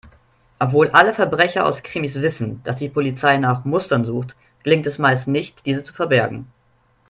Obwohl alle Verbrecher aus Krimis wissen, dass die Polizei nach Mustern sucht, gelingt es meist nicht, diese zu verbergen.